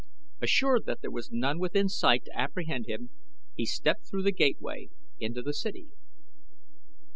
Assured that there was none within sight to apprehend him he stepped through the gateway into the city.